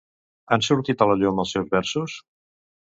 Han sortit a la llum els seus versos?